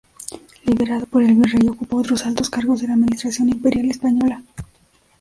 Liberado por el Virrey, ocupó otros altos cargos en la administración imperial española.